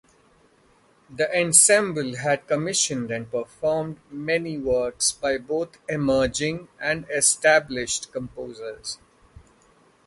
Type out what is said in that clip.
The ensemble has commissioned and performed many works by both emerging and established composers.